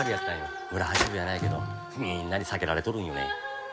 村八分やないけどみんなに避けられとるんよね。